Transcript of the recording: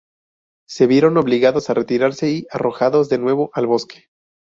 Se vieron obligados a retirarse y arrojados de nuevo al bosque.